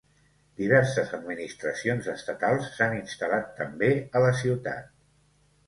Diverses administracions estatals s'han instal·lat també a la ciutat.